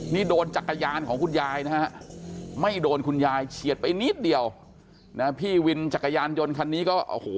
นี่โดนจักรยานของคุณยายนะฮะไม่โดนคุณยายเฉียดไปนิดเดียวนะพี่วินจักรยานยนต์คันนี้ก็โอ้โห